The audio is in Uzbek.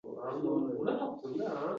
shirin uyqungni bema’ni sarguzashtim bilan